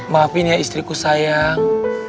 maafin ya istriku sayang